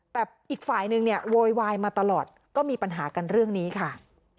แต่อีกฝ่ายนึงเนี่ยโวยวายมาตลอดก็มีปัญหากันเรื่องนี้ค่ะ